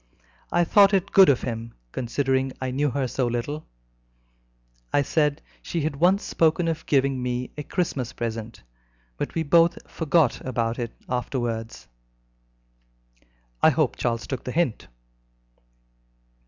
I thought it good of him, considering I knew her so little. I said that she had once spoken of giving me a Christmas present, but we both forgot about it afterwards." "I hope Charles took the hint."